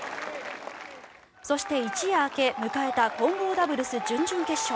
そして一夜明け迎えた混合ダブルス準々決勝。